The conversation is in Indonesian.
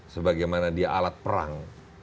sebagaimana dia alat perang